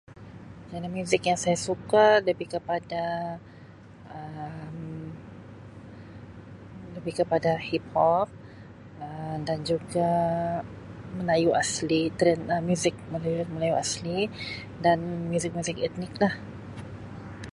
Genre muzik yang saya suka lebih kepada, lebih kepada hiphop Um dan juga muzik melayu asli dan juga muzik-muzik etnik lah.